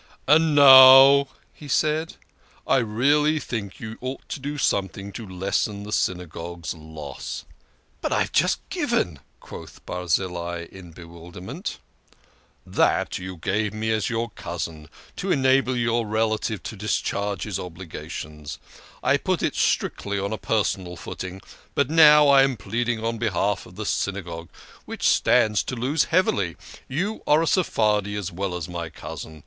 " And now," said he, " I really think you ought to do something to lessen the Synagogue's loss." " But I have just given !" quoth Barzillai in bewilderment. " That you gave to me as your cousin, to enable your THE KING OF SCHNORRERS. 149 relative to discharge his obligations. I put it strictly on a personal footing. But now I am pleading on behalf of the Synagogue, which stands to lose heavily. You are a Seph ardi as well as my cousin.